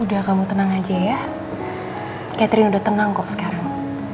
udah kamu tenang aja ya catherine udah tenang kok sekarang